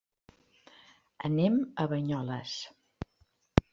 Anem a Banyoles.